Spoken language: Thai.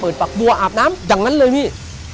ปากบัวอาบน้ำอย่างนั้นเลยพี่